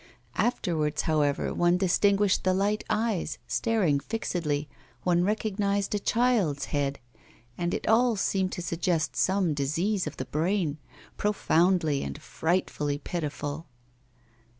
Afterwards, however, one distinguished the light eyes staring fixedly, one recognised a child's head, and it all seemed to suggest some disease of the brain, profoundly and frightfully pitiful.